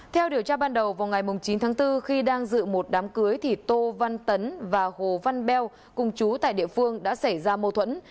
theo điều tra ban đầu vào ngày chín tháng bốn khi đang dự một đám cưới thì tô văn tấn và hồ văn beo cùng chú tại địa phương đã xảy ra mâu thuẫn